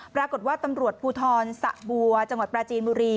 ปรากฏว่าตำรวจภูทรสะบัวจังหวัดปราจีนบุรี